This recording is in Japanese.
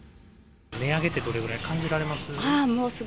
値上げってどれぐらい感じられます？